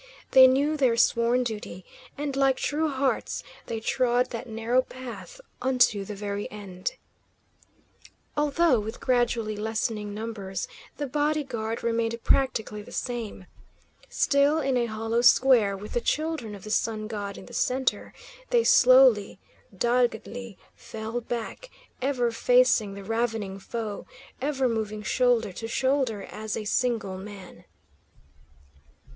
They knew their sworn duty, and like true hearts they trod that narrow path unto the very end. Although with gradually lessening numbers, the body guard remained practically the same. Still in a hollow square, with the Children of the Sun God in the centre, they slowly, doggedly fell back, ever facing the ravening foe, ever moving shoulder to shoulder as a single man.